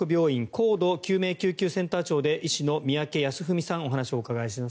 高度救命救急センター長で医師の三宅康史さんにお話をお伺いします。